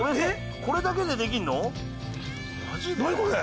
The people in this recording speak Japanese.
これだけでできんの？